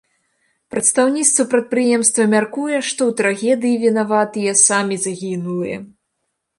Прадстаўніца прадпрыемства мяркуе, што ў трагедыі вінаватыя самі загінулыя.